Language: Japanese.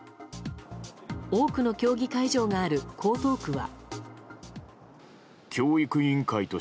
多くの競技会場がある江東区は。